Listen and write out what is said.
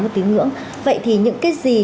một tín ngưỡng vậy thì những cái gì